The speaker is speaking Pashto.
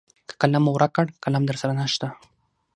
که قلم مو ورک کړ قلم درسره نشته .